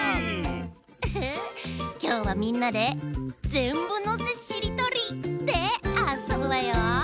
ウフきょうはみんなで「ぜんぶのせしりとり」であそぶわよ。